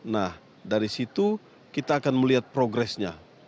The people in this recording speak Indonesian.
nah dari situ kita akan melihat progresnya